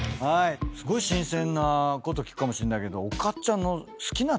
すごい新鮮なこと聞くかもしれないけど。